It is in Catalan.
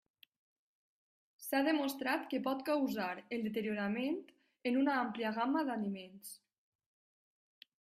S'ha demostrat que pot causar el deteriorament en una àmplia gamma d'aliments.